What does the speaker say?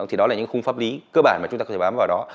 thì đó là những khung pháp lý cơ bản mà chúng ta có thể bám vào đó